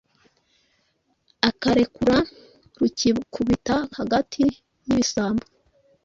akarurekura rukikubita hagati y’ibisambo